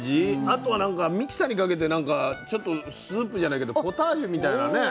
あとはなんかミキサーにかけてなんかちょっとスープじゃないけどポタージュみたいなね。